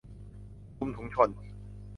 คลุมถุงชน